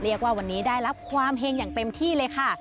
เรียกว่าวันนี้ได้รับความเฮงอย่างเต็มที่เลยค่ะ